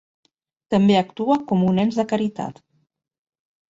També actua com un ens de caritat.